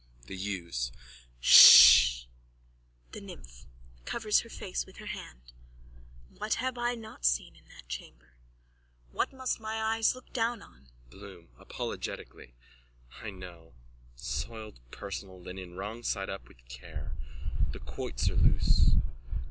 THE YEWS: Ssh! THE NYMPH: (Covers her face with her hands.) What have I not seen in that chamber? What must my eyes look down on? BLOOM: (Apologetically.) I know. Soiled personal linen, wrong side up with care. The quoits are loose.